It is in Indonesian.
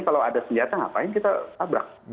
kalau ada senjata ngapain kita tabrak